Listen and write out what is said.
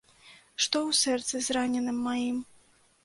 Што ў сэрцы зраненым маім.